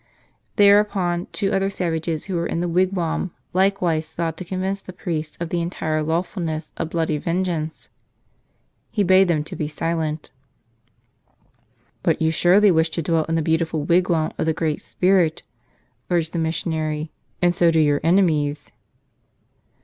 There¬ upon two other savages who were in the wigwam like¬ wise sought to convince the priest of the entire law¬ fulness of bloody vengeance. He bade them be silent. "But you surely wish to dwell in the beautiful wig¬ wam of the Great Spirit," urged the missionary; "and so do your enemies."